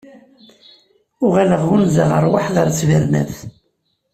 Uɣaleɣ ɣunzaɣ rrwaḥ ɣer ttbernat.